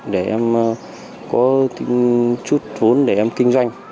để em có chút vốn để em kinh doanh